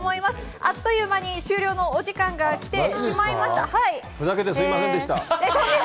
あっという間に終了の時間が来てしまいました。